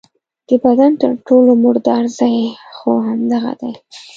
د بدن تر ټولو مردار ځای خو همدغه دی.